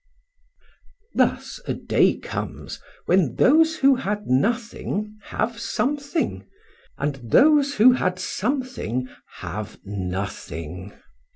Thus, a day comes when those who had nothing have something, and those who had something have nothing.